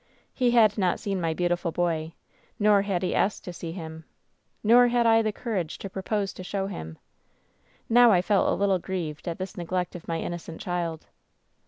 "He had not seen my beautiful boy, nor had he asked to see him; nor had I the courage to propose to show him. "Now I felt a little grieved at this neglect of my inno cent child.